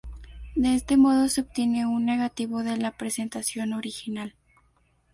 De este modo se obtiene un "negativo de la presentación original".